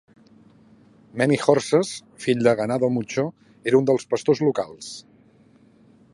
Many Horses, fill de Ganado Mucho, era un dels pastors locals.